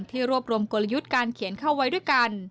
รวบรวมกลยุทธ์การเขียนเข้าไว้ด้วยกัน